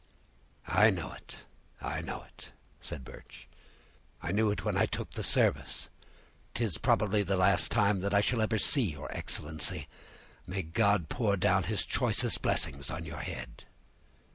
"I know it, I know it," said Birch; "I knew it when I took the service. 'Tis probably the last time that I shall ever see your excellency. May God pour down His choicest blessings on your head!"